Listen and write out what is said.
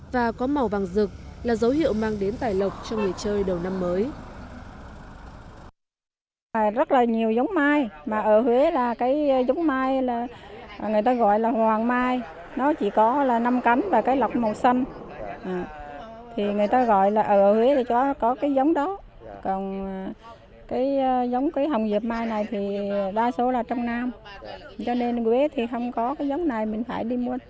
và có màu vàng rực là dấu hiệu mang đến tài lộc cho người chơi đầu năm mới